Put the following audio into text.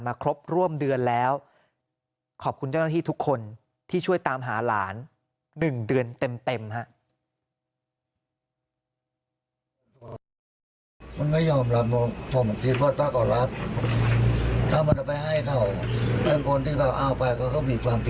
มาครบร่วมเดือนแล้วขอบคุณที่ทุกคนที่ช่วยตามหาหลานหนึ่ง